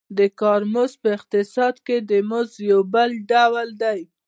د کار مزد په اقتصاد کې د مزد یو بل ډول دی